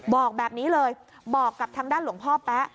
บอกแบบนี้เลยบอกกับทางด้านหลวงพ่อแป๊ะ